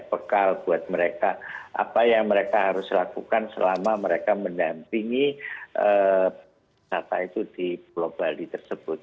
bekal buat mereka apa yang mereka harus lakukan selama mereka mendampingi wisata itu di pulau bali tersebut